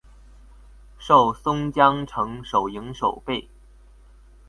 授松江城守营守备。